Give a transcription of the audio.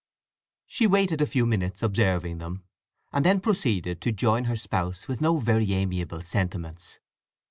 She waited a few minutes observing them, and then proceeded to join her spouse with no very amiable sentiments.